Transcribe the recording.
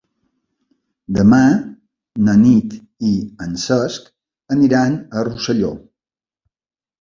Demà na Nit i en Cesc aniran a Rosselló.